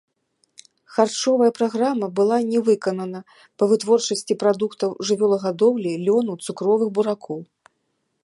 Харчовая праграма была не выканана па вытворчасці прадуктаў жывёлагадоўлі, лёну, цукровых буракоў.